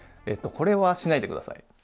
これはしないで下さい。